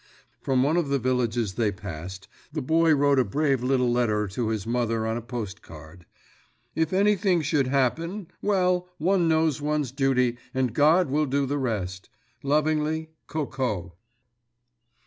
From one of the villages they passed the boy wrote a brave little letter to his mother on a post card: "If anything should happen ... well, one knows one's duty, and God will do the rest. Lovingly, Coco."